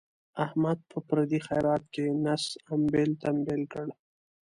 احمد په پردي خیرات کې نس امبېل تمبیل کړ.